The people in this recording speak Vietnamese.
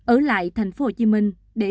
ở lại tp hcm để